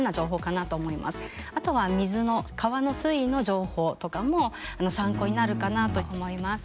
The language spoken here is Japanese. あとは川の水位の情報とかも参考になるかなと思います。